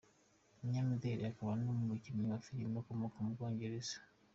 Umunyamideli akaba n’umukinnyi wa film ukomoka mu Bwongerez